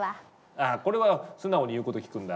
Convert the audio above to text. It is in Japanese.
あこれは素直に言うこと聞くんだ。